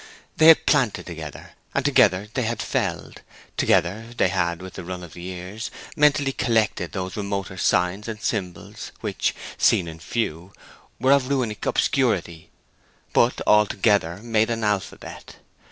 They had planted together, and together they had felled; together they had, with the run of the years, mentally collected those remoter signs and symbols which, seen in few, were of runic obscurity, but all together made an alphabet.